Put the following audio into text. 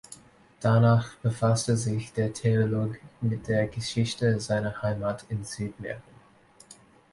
Danach befasste sich der Theologe mit der Geschichte seiner Heimat in Südmähren.